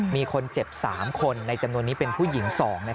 มีคนเจ็บ๓คนในจำนวนนี้เป็นผู้หญิง๒